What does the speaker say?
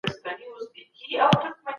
هم په اوړي هم په ژمي به ناورین و